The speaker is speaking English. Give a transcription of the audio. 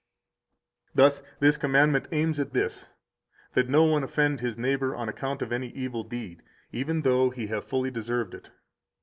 186 Thus this commandment aims at this, that no one offend his neighbor on account of any evil deed, even though he have fully deserved it.